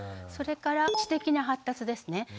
それから知的な発達ですね。